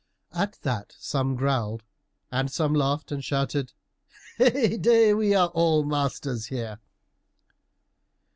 At that some growled, and some laughed and shouted, "Heyday! we are all masters here."